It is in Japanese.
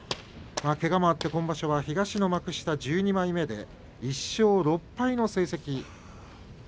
けがもあって今場所は東の幕下１２枚目で１勝６敗の成績。